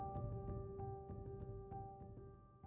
โปรดติดตามตอนต่อไป